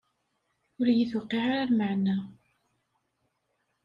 Ur iyi-tuqiɛ ara lmeɛna.